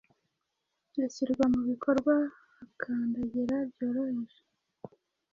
ashyirwa mubikorwa akandagira byoroheje